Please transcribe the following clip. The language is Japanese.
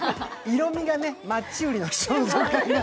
色味がね、マッチ売りの少女的な。